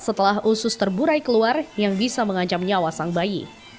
setelah usus terburai keluar yang bisa mengancam nyawa sang bayi